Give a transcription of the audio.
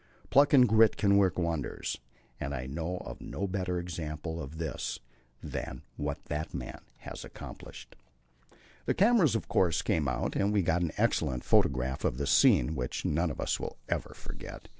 Pluck and grit can work wonders, and I know of no better example of this than what that man has accomplished. The cameras of course had to come out, and we got an excellent photograph of the scene which none of us will ever forget.